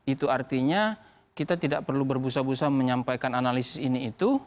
itu artinya kita tidak perlu berbusa busa menyampaikan analisis ini itu